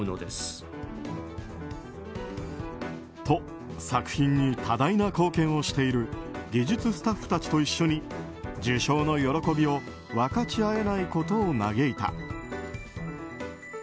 と、作品に多大な貢献をしている技術スタッフたちと一緒に受賞の喜びを分かち合えないことを嘆いた。